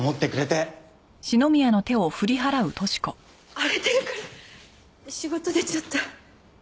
荒れてるから仕事でちょっと。